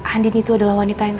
andin itu adalah wanita yang